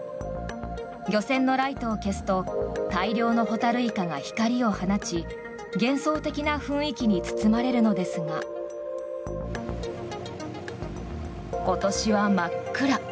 漁船のライトを消すと大量のホタルイカが光を放ち幻想的な雰囲気に包まれるのですが今年は真っ暗。